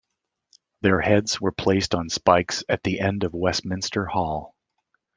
Their heads were placed on spikes at the end of Westminster Hall.